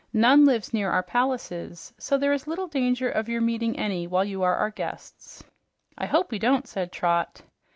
None lives near our palaces, so there is little danger of your meeting any while you are our guests." "I hope we won't," said Trot.